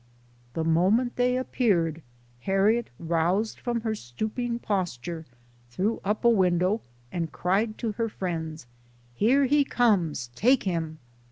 The moment they appeared, Harriet roused from her stooping pos ture, threw up a window, arid cried to her friends :" Here he comes take him